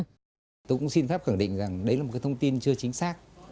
tôi cũng xin pháp khẳng định rằng đấy là một thông tin chưa chính xác